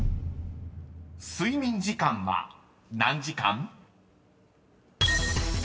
［睡眠時間は何時間？］